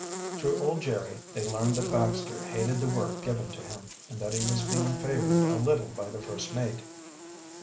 Through old Jerry they learned that Baxter hated the work given to him and that he was being favored a little by the first mate.